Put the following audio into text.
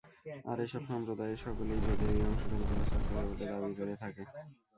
আর এ-সব সম্প্রদায়ের সকলেই বেদের ঐ অংশটুকই প্রচার করে বলে দাবী করে থাকে।